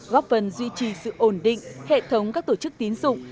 góp phần duy trì sự ổn định hệ thống các tổ chức tín dụng